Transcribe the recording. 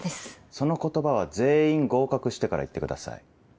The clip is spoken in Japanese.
その言葉は全員合格してから言ってください。